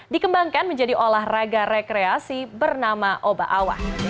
dikembangkan menjadi olahraga rekreasi bernama oba awa